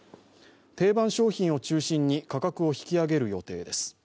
定番商品を中心に価格を引き上げる予定です。